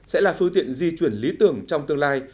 sẽ là phương tiện di chuyển lý tưởng trong tương lai